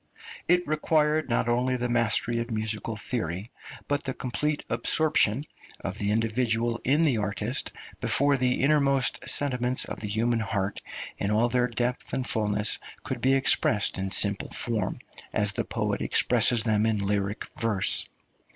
It required not only the mastery of musical theory, but the complete absorption of the individual in the artist before the innermost sentiments of the human heart in all their depth and fulness could be expressed in simple form, as the poet expresses them in lyric verse.